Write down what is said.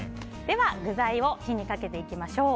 では具材を火にかけていきます。